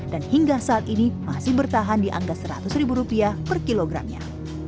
hingga saat ini masih bertahan di angka seratus ribu rupiah per kilogramnya